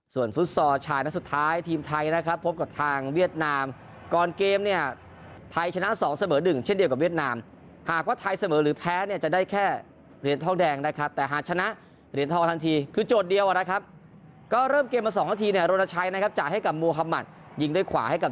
ส่วนฟุตซอลชายนัดสุดท้ายทีมไทยนะครับพบกับทางเวียดนามก่อนเกมเนี่ยไทยชนะ๒เสมอ๑เช่นเดียวกับเวียดนามหากว่าไทยเสมอหรือแพ้เนี่ยจะได้แค่เหรียญทองแดงนะครับแต่หากชนะเหรียญทองทันทีคือโจทย์เดียวนะครับก็เริ่มเกมมา๒นาทีเนี่ยโรนชัยนะครับจ่ายให้กับมูฮามัติยิงด้วยขวาให้กับ